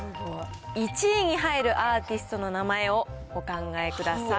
１位に入るアーティストの名前をお考えください。